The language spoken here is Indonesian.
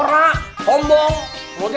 nama bapak jucai